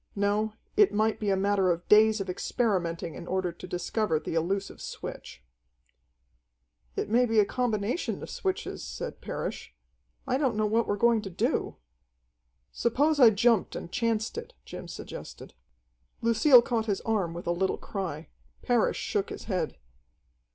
No, it might be a matter of days of experimenting in order to discover the elusive switch. "It may be a combination of switches," said Parrish. "I don't know what we're going to do." "Suppose I jumped and chanced it," Jim suggested. Lucille caught his arm with a little cry. Parrish shook his head.